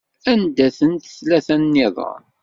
Anda-tent tlata-nniḍen?